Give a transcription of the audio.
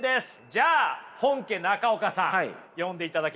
じゃあ本家中岡さん読んでいただけますか。